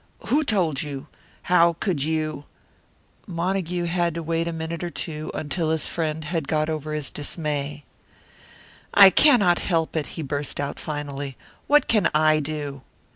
Who told you? How could you " Montague had to wait a minute or two until his friend had got over his dismay. "I cannot help it," he burst out, finally. "What can I do?"